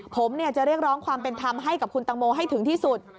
ผมจะเรียกร้องความเป็นธรรมให้กับคุณตังโมให้ถึงที่สุด